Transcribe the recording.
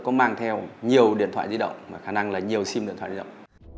có mang theo nhiều điện thoại di động và khả năng là nhiều sim điện thoại di động